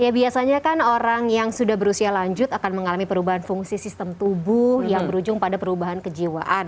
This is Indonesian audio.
ya biasanya kan orang yang sudah berusia lanjut akan mengalami perubahan fungsi sistem tubuh yang berujung pada perubahan kejiwaan